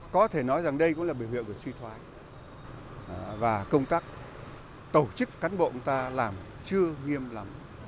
có thể nói rằng đây cũng là biểu hiện của suy thoái và công tác tổ chức cán bộ chúng ta làm chưa nghiêm lắm